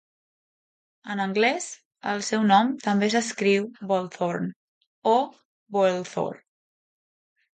En anglès, el seu nom també s'escriu "Bolthorn" o "Boelthor".